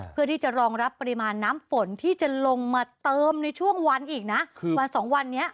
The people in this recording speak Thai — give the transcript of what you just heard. เพื่อที่จะรองรับปริมาณน้ำฝนที่จะลงมาเติมในช่วงวันอีกนะวันสองวันนี้